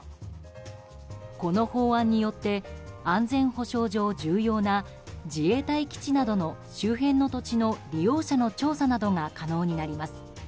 この法案によって安全保障上重要な自衛隊基地などの周辺の土地の利用者の調査などが可能になります。